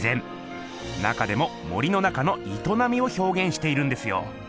中でも森の中のいとなみをひょうげんしているんですよ。